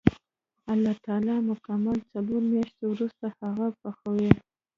الله تعالی مکمل څلور میاشتې وروسته هغه پخوي.